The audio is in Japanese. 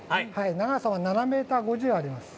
長さは７メートル５０あります。